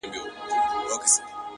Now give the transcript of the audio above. پرون مي دومره اوښكي توى كړې گراني،